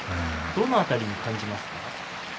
どの辺りに感じますか？